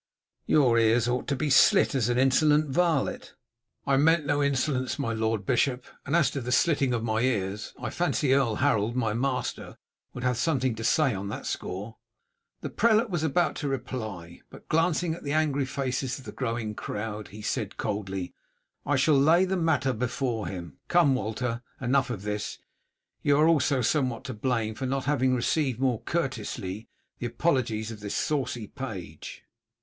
"Your ears ought to be slit as an insolent varlet." "I meant no insolence, my Lord Bishop; and as to the slitting of my ears, I fancy Earl Harold, my master, would have something to say on that score." The prelate was about to reply, but glancing at the angry faces of the growing crowd, he said coldly: "I shall lay the matter before him. Come, Walter, enough of this. You are also somewhat to blame for not having received more courteously the apologies of this saucy page."